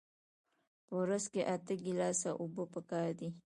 په ورځ کې اته ګیلاسه اوبه پکار دي